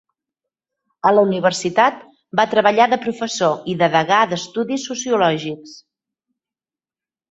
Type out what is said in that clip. A la universitat, va treballar de professor i de degà d'estudis sociològics.